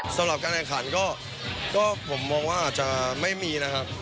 สำหรับการแห่งข่านก็เหมือนไหวอาจจะไม่มีนะครับ